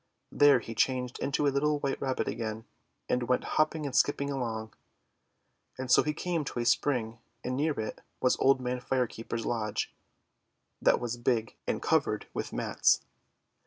There he changed into a little white Rabbit again, and went hopping and skipping along. And so he came to a spring, and near it was Old Man Fire Keeper's lodge, that was big and covered with mats.